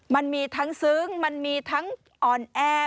มันมีทั้งซึ้งมันมีทั้งอ่อนแอ